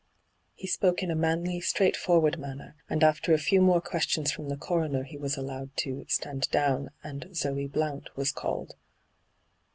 He spoke in a manly, straightforward manner, and after a few more questions from the coroner he was allowed to ' stand down,' and ' Zoe Blount ' was called.